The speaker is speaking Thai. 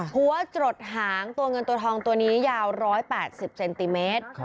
หัวจรดหางตัวเงินตัวทองตัวนี้ยาว๑๘๐เซนติเมตร